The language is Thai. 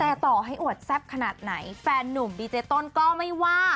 แต่ต่อให้อวดแซ่บขนาดไหนแฟนนุ่มดีเจต้นก็ไม่ว่า